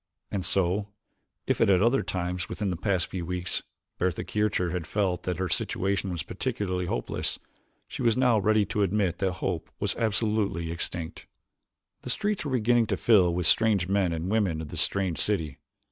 And so, if at other times within the past few weeks Bertha Kircher had felt that her situation was particularly hopeless, she was now ready to admit that hope was absolutely extinct. The streets were beginning to fill with the strange men and women of this strange city.